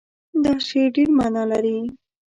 دا شعر ډېر معنا لري.